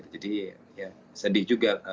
jadi sedih juga